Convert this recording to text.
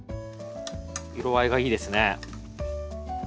色合いがいいですね。